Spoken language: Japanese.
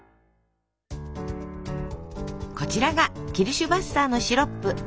こちらがキルシュヴァッサーのシロップ。